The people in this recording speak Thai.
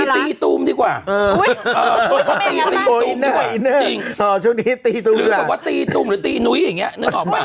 พอบอกว่าตีตุ้มหรือตีหนุ้ยะนึกออกปะ